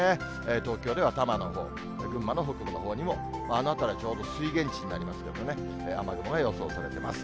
東京では多摩のほう、群馬の北部のほうにも、あの辺りはちょうど水源地になりますけれどもね、雨雲が予想されてます。